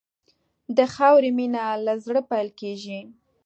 د خاورې مینه له زړه پیل کېږي.